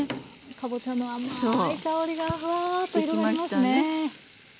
かぼちゃの甘い香りがフワッと広がりますね。